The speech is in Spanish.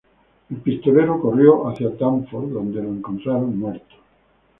El pistolero corrió hacia Danforth donde lo encontraron muerto.